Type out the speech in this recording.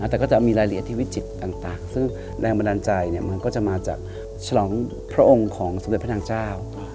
แต่ก็จะมีรายละเอียดที่วิจิตต่างซึ่งแรงบันดาลใจมันก็จะมาจากฉลองพระองค์ของสมเด็จพระนางเจ้า